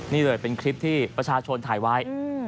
นี่เลยเป็นคลิปที่ประชาชนถ่ายไว้